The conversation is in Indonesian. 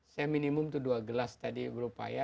saya minimum itu dua gelas tadi berupaya